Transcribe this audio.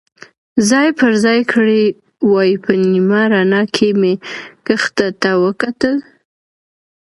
ځای پر ځای کړي وای، په نیمه رڼا کې مې کښته ته وکتل.